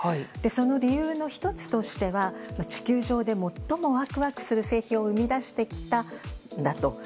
その理由の１つとしては地球上で最もワクワクする製品を生み出してきたんだと。